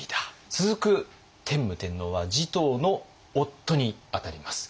続く天武天皇は持統の夫に当たります。